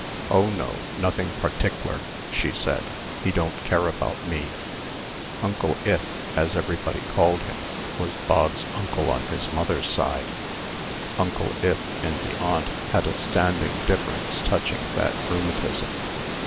"Oh, no; nothing partickler," said she. "He don't care about me." Uncle Ith, as everybody called him, was Bog's uncle on his mother's side. Uncle Ith and the aunt had a standing difference touching that rheumatism.